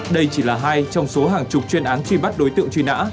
đây chỉ là hai trong số hàng chục chuyên án truy bắt đối tượng truy nã